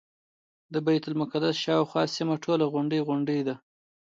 د بیت المقدس شاوخوا سیمه ټوله غونډۍ غونډۍ ده.